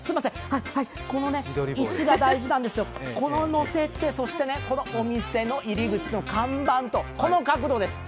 この位置が大事なんですよ、こう載せて、お店の入り口の看板は、この角度です。